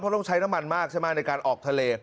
ต้องใช้น้ำมันมากใช่ไหมในการออกทะเล